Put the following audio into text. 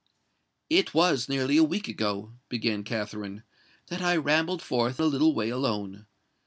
"It was nearly a week ago," began Katherine "that I rambled forth a little way alone.